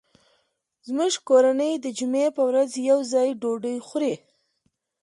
زموږ کورنۍ د جمعې په ورځ یو ځای ډوډۍ خوري